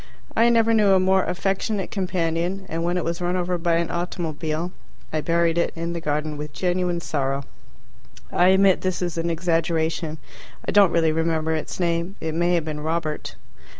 I never knew a more affectionate companion, and when it was run over by an automobile, I buried it in the garden with genuine sorrow. (I admit this is an exaggeration. I don't really remember its name; it may have been Robert.)